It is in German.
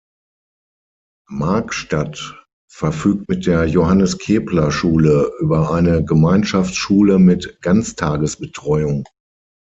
Magstadt verfügt mit der Johannes-Kepler-Schule über eine Gemeinschaftsschule mit Ganztagesbetreuung.